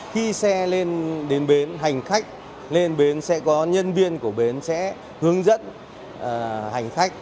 khi xe lên đến bến hành khách lên bến sẽ có nhân viên của bến sẽ hướng dẫn hành khách